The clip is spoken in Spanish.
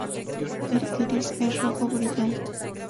El iris es rojo brillante.